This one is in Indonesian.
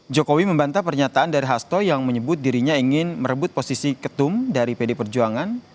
jokowi membantah pernyataan dari hasto yang menyebut dirinya ingin merebut posisi ketum dari pd perjuangan